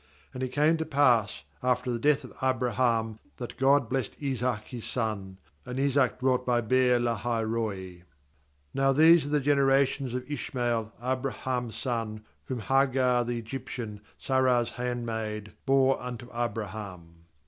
11 And it came to pass after the death of Abraham, that God blessed Isaac his son; and Isaac dwelt by Beer lahai roi. ^Now these are the generations of Ishmael, Abraham's son, whom Hagar the Egyptian, Sarah's handmaid, bore unto Abraham.